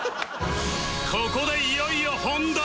ここでいよいよ本題